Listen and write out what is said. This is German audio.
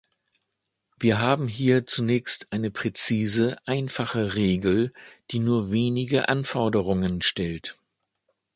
Wir haben hier zunächst eine präzise, eine einfache Regel, die nur wenige Anforderungen stellt.